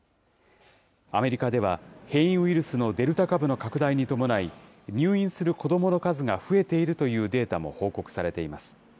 アメリカでは、変異ウイルスのデルタ株の拡大に伴い、入院する子どもの数が増えているというデータも報告されています。